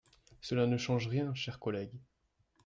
Cela ne change rien, cher collègue.